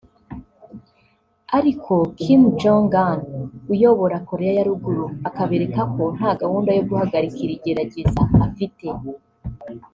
ariko Kim Jong-Un uyobora Korea ya Ruguru akabereka ko nta gahunda yo guhagarika iri gerageza afite